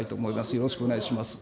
よろしくお願いします。